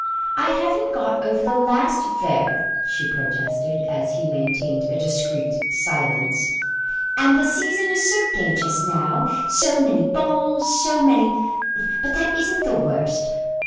I haven't got over the last affair," she protested, as he maintained a discreet silence, "and the season is so gay just now so many balls, so many But that isn't the worst.